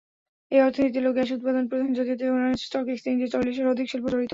এই অর্থনীতি তেল ও গ্যাস উৎপাদন প্রধান, যদিও তেহরান স্টক এক্সচেঞ্জে চল্লিশের অধিক শিল্প জড়িত।